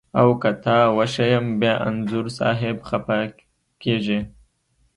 او که تا وښیم بیا انځور صاحب خپه کږي.